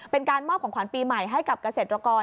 เป็นการมอบของขวัญปีใหม่ให้กับเกษตรกร